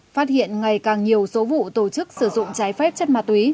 phát hiện ngày càng nhiều số vụ tổ chức sử dụng trái phép chất ma túy